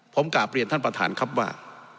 ผมกลับเรียนท่านประธานครับว่า